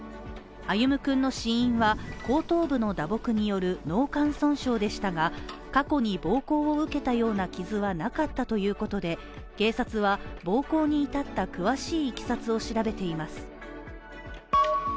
歩夢君の死因は後頭部の打撲による脳幹損傷でしたが過去に暴行を受けたような傷はなかったということで、警察は、暴行に至った詳しいいきさつを調べています。